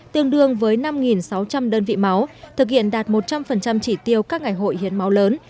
tương đương với năm sáu trăm linh đơn vị máu thực hiện đạt một trăm linh chỉ tiêu các ngày hội hiến máu lớn